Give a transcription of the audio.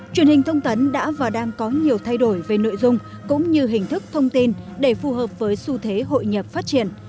truyền hình thông tấn đã và đang có nhiều thay đổi về nội dung cũng như hình thức thông tin để phù hợp với xu thế hội nhập phát triển